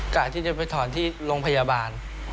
กะที่จะไปถอนที่โรงพยาบาล